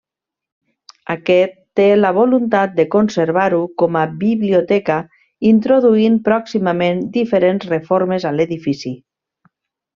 Aquest té la voluntat de conservar-ho com a biblioteca, introduint pròximament diferents reformes a l'edifici.